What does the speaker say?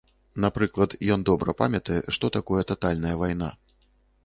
Напрыклад, ён добра памятае, што такое татальная вайна.